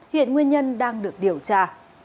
hiện nguyên nhân đang được điều tra